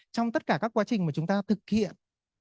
trong tất cả các quá trình mà chúng ta thực hiện